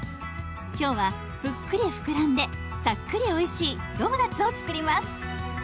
今日はぷっくりふくらんでさっくりおいしいドーナツを作ります。